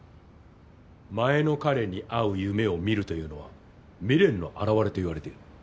前の彼に会う夢を見るというのは未練の表れと言われている。